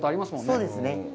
そうですね。